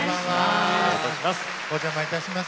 お邪魔いたします。